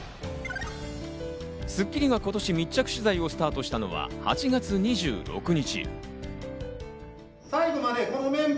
『スッキリ』が今年、密着取材をスタートしたのは８月２６日。